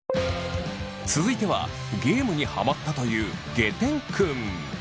続いてはゲームにハマったというげてん君。